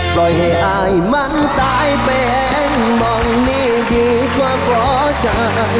ปล่อยให้อายมันตายไปมองนี่ดีกว่ากล้อจ่าย